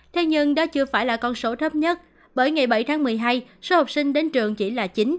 thế nhưng đó chưa phải là con số thấp nhất bởi ngày bảy tháng một mươi hai số học sinh đến trường chỉ là chín mươi